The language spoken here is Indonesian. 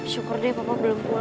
syukur deh papa belum pulang